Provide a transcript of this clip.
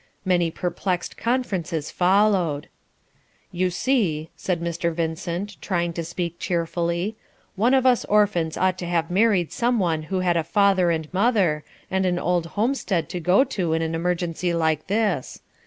Many perplexed conferences followed. "You see," said Mr. Vincent, trying to speak cheerfully, "one of us orphans ought to have married some one who had a father and mother, and an old homestead to go to in an emergency like this.